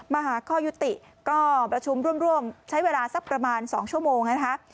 มาหาข้อยุติก็ประชุมร่วมใช้เวลาสักประมาณ๒ชั่วโมงนะคะ